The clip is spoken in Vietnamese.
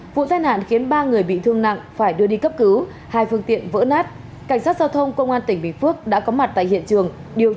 vụ tai nạn khiến ba người bị thương nặng phải đưa đi cấp cứu hai phương tiện vỡ nát cảnh sát giao thông công an tỉnh bình phước đã có mặt tại hiện trường điều tra làm rõ nguyên nhân